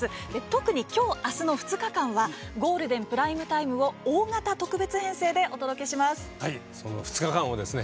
特に、きょう、あすの２日間はゴールデン・プライムタイムを大型特別編成でお届けします。